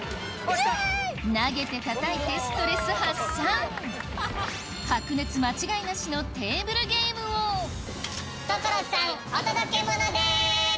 投げてたたいてストレス発散白熱間違いなしのテーブルゲームを所さんお届けモノです！